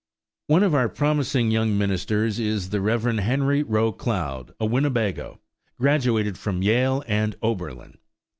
One of our promising young ministers is the Rev. Henry Roe Cloud, a Winnebago, graduated from Yale and Oberlin.